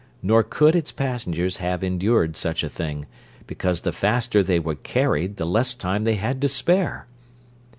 Nor could its passengers have endured such a thing, because the faster they were carried the less time they had to spare!